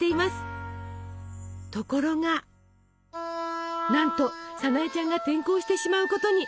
ところがなんとさなえちゃんが転校してしまうことに！